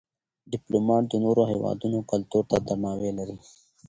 ډيپلومات د نورو هېوادونو کلتور ته درناوی لري.